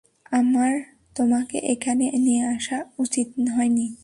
আমার তোমাকে এখানে নিয়ে আসা উচিত হয়নি।